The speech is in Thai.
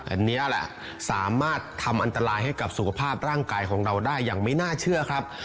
อันนี้แหละสามารถทำอันตรายให้กับสุขภาพร่างกายของเราได้อย่างไม่น่าเชื่อครับ